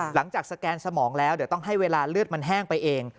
สแกนสมองแล้วเดี๋ยวต้องให้เวลาเลือดมันแห้งไปเอง